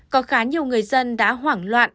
có khá nhiều người dân đã hoảng loạn